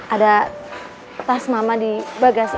ada tas mama di bagas